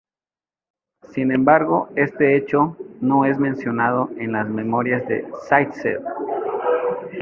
Sin embargo, este hecho no es mencionado en las memorias de Záitsev.